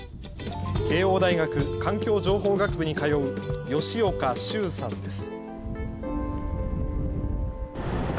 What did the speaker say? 慶応大学環境情報学部に通う吉岡洲さんです。